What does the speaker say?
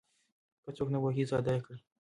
که څوک نه پوهېږي ساده يې کړئ.